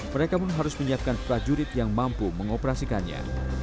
mereka pun harus menyiapkan prajurit yang mampu mengoperasikannya